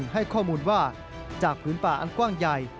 ให้ข้อมูลว่าจากพื้นป่าอันกว้างใหญ่